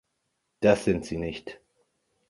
Das sind sie nicht!